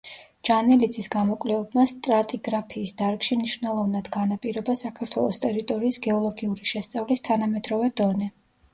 ჯანელიძის გამოკვლევებმა სტრატიგრაფიის დარგში მნიშვნელოვნად განაპირობა საქართველოს ტერიტორიის გეოლოგიური შესწავლის თანამედროვე დონე.